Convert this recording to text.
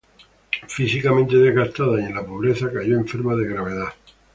Físicamente desgastada y en la pobreza cayó enferma de gravedad.